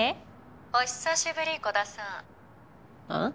「お久しぶり鼓田さん」ああ？